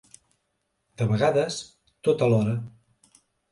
De vegades, tot alhora.